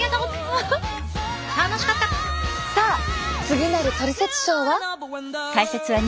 次なるトリセツショーは。